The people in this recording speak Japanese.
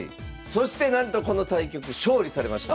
そしてなんとこの対局勝利されました。